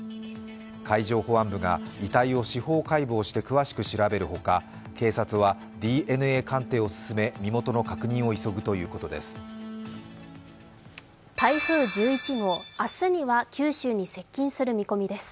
海上保安部が遺体を司法解剖して詳しく調べるほか警察はＤＮＡ鑑定を進め身元の確認を急ぐということです。